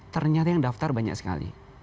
ternyata yang daftar banyak sekali